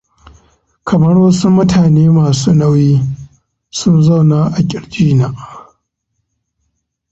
kamar wasu mutane masu nauyi sun zauna a kirji na?